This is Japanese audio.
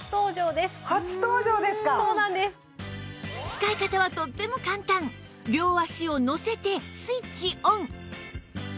使い方はとっても簡単両足をのせてスイッチオン